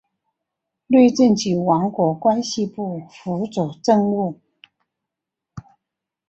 内政及王国关系部辅佐政务。